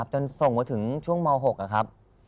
จนส่งมาถึงช่วงม๖ครับ